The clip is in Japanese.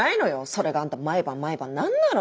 それがあんた毎晩毎晩何なの？